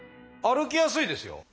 歩きやすいですよ。